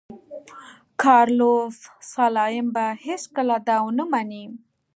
کارلوس سلایم به هېڅکله دا ونه مني.